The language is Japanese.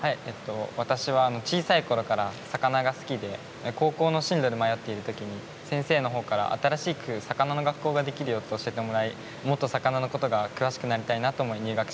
私は小さいころから魚が好きで高校の進路で迷ってる時に先生の方から新しく魚の学校ができるよって教えてもらいもっと魚のことが詳しくなりたいなと思い